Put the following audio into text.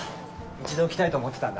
一度来たいと思ってたんだ。